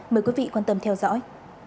mời quý vị quan tâm theo dõi